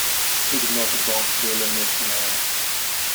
He did not advance to the elimination rounds.